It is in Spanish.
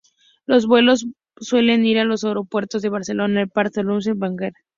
Los vuelos suelen ir a los aeropuertos de Barcelona-El Prat o Toulouse-Blagnac.